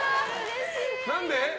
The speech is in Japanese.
何で？